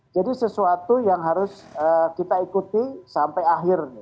jadi sesuatu yang harus kita ikuti sampai akhir